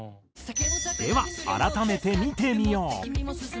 では改めて見てみよう。